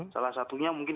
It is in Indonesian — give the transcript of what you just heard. salah satunya mungkin